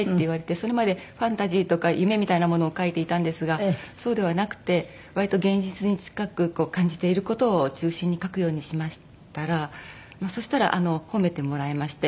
それまでファンタジーとか夢みたいなものを書いていたんですがそうではなくて割と現実に近くこう感じている事を中心に書くようにしましたらそしたら褒めてもらえまして。